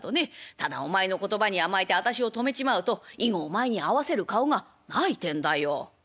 ただお前の言葉に甘えて私を泊めちまうと以後お前に合わせる顔がないてんだよ」。